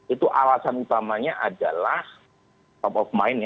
itu alasan utamanya adalah top of mind ya